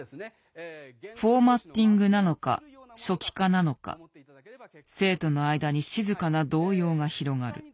「フォーマッティング」なのか「初期化」なのか生徒の間に静かな動揺が広がる。